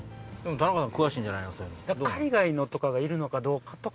田中さん詳しいんじゃないそういうの。